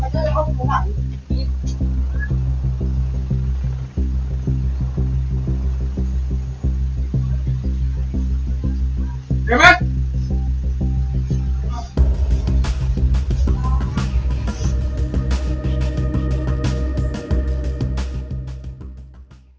ขอบคุณคุณหลังใช่ไหมขอบคุณคุณหลัง